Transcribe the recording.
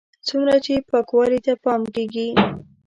څومره چې پاکوالي ته پام کېږي.